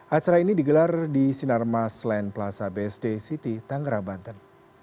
acara ini digelar di sinar mas land plaza bsd city tanggerabanten